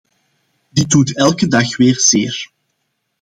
Dit doet elke dag weer zeer.